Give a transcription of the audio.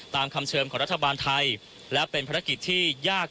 คำเชิมของรัฐบาลไทยและเป็นภารกิจที่ยาก